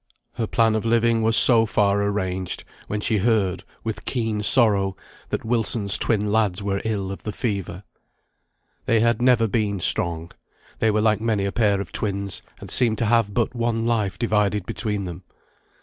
Her plan of living was so far arranged, when she heard, with keen sorrow, that Wilson's twin lads were ill of the fever. They had never been strong. They were like many a pair of twins, and seemed to have but one life divided between them.